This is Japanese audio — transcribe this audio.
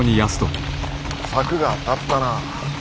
策が当たったな。